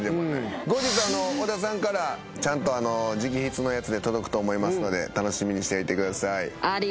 後日尾田さんからちゃんと直筆のやつで届くと思いますので楽しみにしていてください。